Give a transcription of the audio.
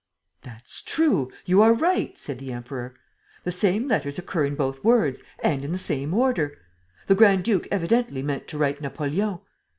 "That's true ... you are right," said the Emperor. "The same letters occur in both words and in the same order. The grand duke evidently meant to write 'Napoleon.'